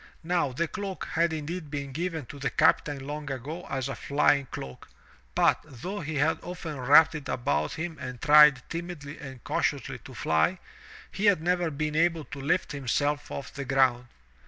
Now the cloak had indeed been given to the captain long ago as a flying cloak, but, though he had often wrapped it about him and tried timidly and cautiously to fly, he had never been able to lift himself off the ground.